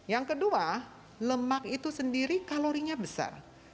yang kedua lemak itu sendiri kalorinya besar